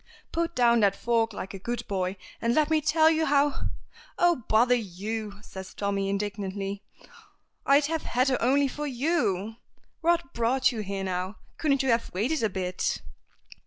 "Put down that fork like a good boy, and let me tell you how " "Oh, bother you!" says Tommy, indignantly. "I'd have had her only for you! What brought you here now? Couldn't you have waited a bit?"